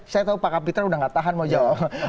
saya tahu pak kapitra udah gak tahan mau jawab